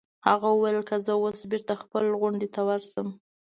هغه وویل: که زه اوس بېرته خپل غونډ ته ورشم.